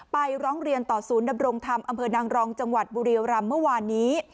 ร้องเรียนต่อศูนย์ดำรงธรรมอำเภอนางรองจังหวัดบุรียรำเมื่อวานนี้